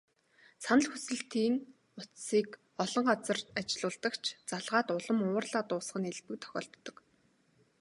Санал хүсэлтийн утсыг олон газар ажиллуулдаг ч, залгаад улам уурлаад дуусах нь элбэг тохиолддог.